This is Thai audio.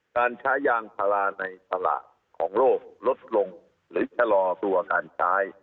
การใช้ยางพาราในสละของโลกลดลงหรือชะลอตัวการใช้